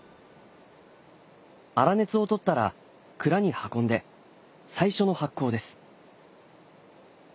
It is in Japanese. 粗熱を取ったら蔵に運んで最初の発酵です。